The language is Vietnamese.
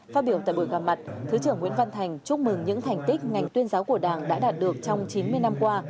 phát biểu tại buổi gặp mặt thứ trưởng nguyễn văn thành chúc mừng những thành tích ngành tuyên giáo của đảng đã đạt được trong chín mươi năm qua